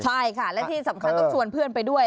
ใช่ค่ะและที่สำคัญต้องชวนเพื่อนไปด้วย